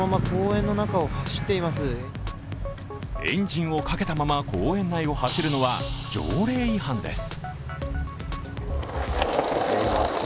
エンジンをかけたまま公園内を走るのは条例違反です。